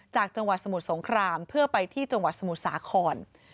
จากจังหวัดสมุทรสงครามเพื่อไปที่จังหวัดสมุทรสาคร